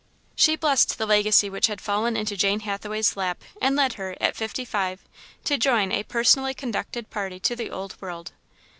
She blessed the legacy which had fallen into Jane Hathaway's lap and led her, at fifty five, to join a "personally conducted" party to the Old World.